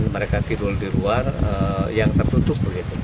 mereka tidur di luar yang tertutup begitu